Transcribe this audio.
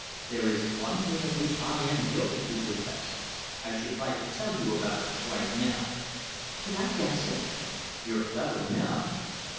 "There is one thing of which I am guilty," he confessed. "I should like to tell you about it right now." "Could I guess it?" "You're clever enough."